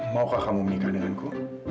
maukah kamu menikah denganku